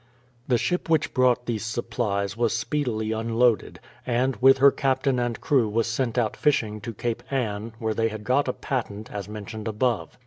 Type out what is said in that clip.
The ship which brought these supplies was speedily un loaded, and, with her captain and crew was sent out fishing to Cape Ann, where they had got a patent, as mentioned above.